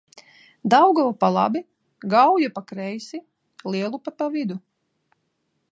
Daugava pa labi, Gauja pa kreisi, Lielupe pa vidu.